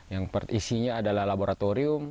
yang isinya adalah laboratorium